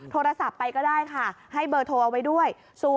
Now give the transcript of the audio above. โทรศัพท์ไปก็ได้ค่ะให้เบอร์โทรเอาไว้ด้วย